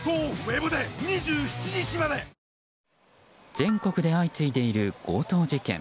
全国で相次いでいる強盗事件。